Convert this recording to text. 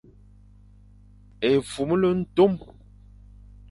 Efumle ntom ;